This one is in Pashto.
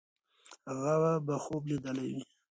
هغه به خوب لیدلی وي.